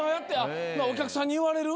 お客さんに言われる？